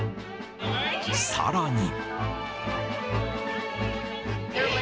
さらに。